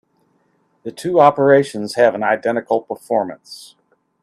The two operations have an identical performance.